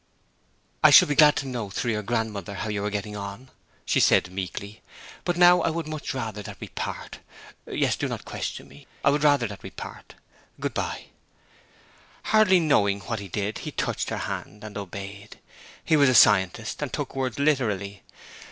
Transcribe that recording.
'I shall be glad to know through your grandmother how you are getting on,' she said meekly. 'But now I would much rather that we part. Yes; do not question me. I would rather that we part. Good bye.' Hardly knowing what he did he touched her hand, and obeyed. He was a scientist, and took words literally.